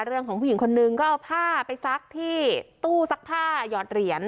ผู้หญิงคนนึงก็เอาผ้าไปซักที่ตู้ซักผ้าหยอดเหรียญ